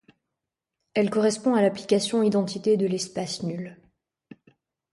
Elle correspond à l'application identité de l'espace nul.